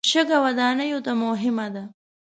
شګه ودانیو ته مهمه ده.